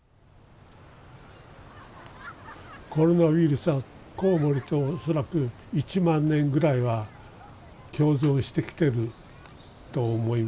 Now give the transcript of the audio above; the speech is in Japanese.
コロナウイルスはコウモリと恐らく１万年ぐらいは共存してきてると思います。